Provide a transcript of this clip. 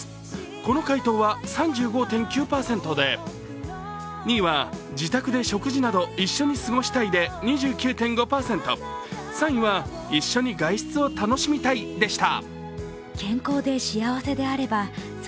この回答は３５．９％で、２位は自宅で食事など一緒に過ごしたいで２９．５％、３位は、一緒に外出を楽しみたいでした。